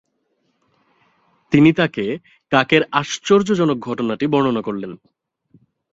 তিনি তাকে কাক এর আশ্চর্ জনক ঘটনাটি বর্ণা করলেন।